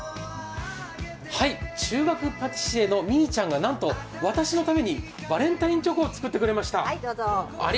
中学パティシエのみいちゃんがなんと私のためにバレンタインチョコを作ってくれました。